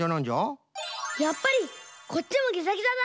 やっぱりこっちもギザギザだ！